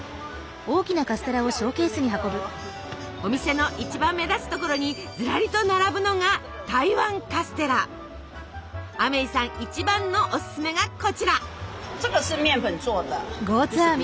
お店の一番目立つところにずらりと並ぶのがアメイさん一番のおすすめがこちら。